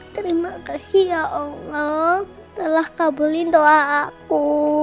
terima kasih ya allah telah kabulin doa aku